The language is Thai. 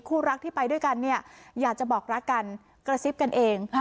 รักที่ไปด้วยกันเนี่ยอยากจะบอกรักกันกระซิบกันเอง